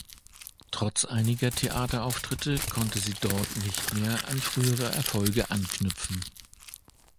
Trotz einiger Theaterauftritte konnte sie dort nicht mehr an frühere Erfolge anknüpfen.